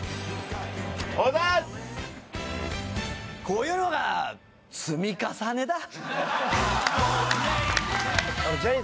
こういうのが積み重ねだ。